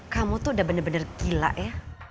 kamu tuh udah bener bener gila ya